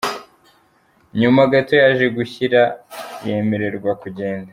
Nyuma gato yaje gushyira yemererwa kugenda.